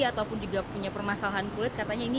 ataupun juga punya permasalahan kulit